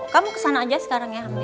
kamu kesana aja sekarang ya